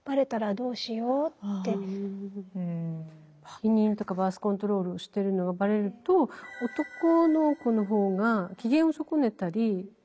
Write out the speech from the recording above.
避妊とかバース・コントロールをしてるのがバレると男の子の方が機嫌を損ねたりしてしまうと。